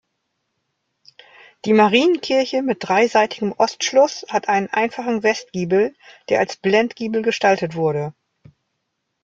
Die Marienkirche mit dreiseitigem Ostschluss hat einen einfachen Westgiebel, der als Blendgiebel gestaltet wurde.